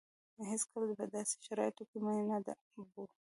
هېڅکله په داسې شرايطو کې مې نه بوه.